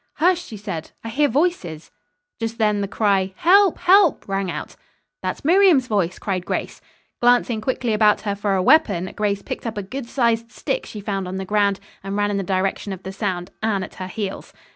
"Hush!" she said. "I hear voices." Just then the cry Help! Help! rang out. "That's Miriam's voice," cried Grace. Glancing quickly about for a weapon, Grace picked up a good sized stick she found on the ground, and ran in the direction of the sound, Anne at her heels.